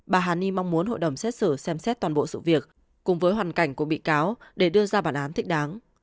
bà hà ni mong muốn hội đồng xét xử xem xét toàn bộ sự việc cùng với hoàn cảnh của bị cáo để đưa ra bản án thích đáng